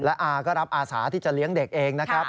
อาก็รับอาสาที่จะเลี้ยงเด็กเองนะครับ